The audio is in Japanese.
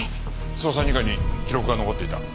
捜査二課に記録が残っていた。